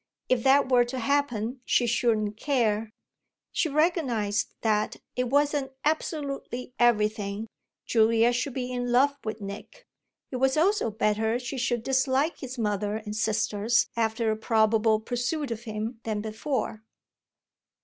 If that were to happen she shouldn't care. She recognised that it wasn't absolutely everything Julia should be in love with Nick; it was also better she should dislike his mother and sisters after a probable pursuit of him than before.